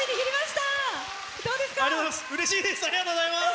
ありがとうございます！